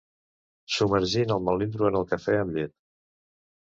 Submergint el melindro en el cafè amb llet.